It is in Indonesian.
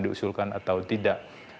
diusulkan atau tidak